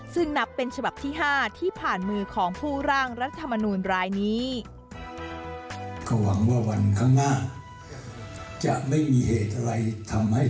ซึ่งนับเป็นฉบับที่๕ที่ผ่านมือของผู้ร่างรัฐมนูลรายนี้